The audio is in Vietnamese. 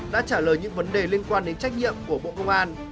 đã trả lời những vấn đề liên quan đến trách nhiệm của bộ công an